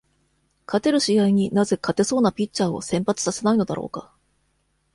勝てる試合に、なぜ勝てそうなピッチャーを先発させないのだろうか。